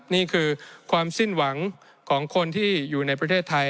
นี่คือความสิ้นหวังของคนที่อยู่ในประเทศไทย